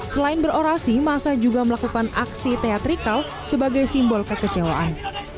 selain berorasi masa juga melakukan aksi teatrikal sebagai simbol kekecewaan